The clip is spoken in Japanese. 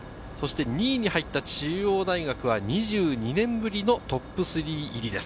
２位に入った中央大学は２２年ぶりのトップ３入りです。